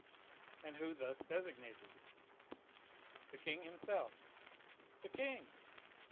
"And who thus designated it?" "The king himself." "The king!